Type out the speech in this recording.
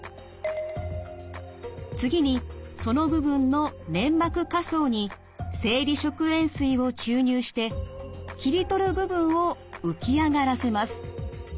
次にその部分の粘膜下層に生理食塩水を注入して切り取る部分を浮き上がらせます。